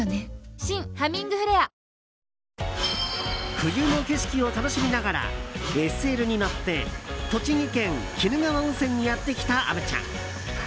冬の景色を楽しみながらＳＬに乗って栃木県鬼怒川温泉にやってきた虻ちゃん。